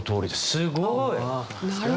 すごい！